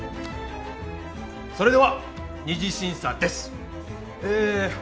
それでは２次審査です。